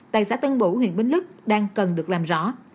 tại xã tân bủ huyện bến lức đang cần được làm rõ